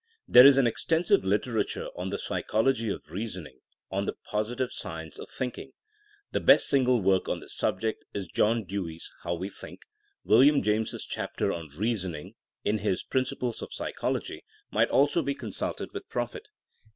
There is an extensive literature on the psychology of reasoning, on the '* positive'' science of thinking. The best single work on this subject is John Dewey's How We Think. William James' chapter on Reasoning in his Principles of Psychology might also be con sulted with profit.